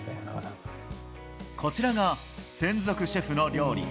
こちらが専属シェフの料理。